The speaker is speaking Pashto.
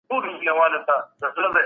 دا علم تل په یاد وساتئ.